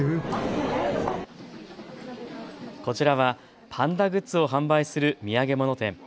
こちらはパンダグッズを販売する土産物店。